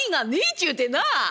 ちゅうてな」。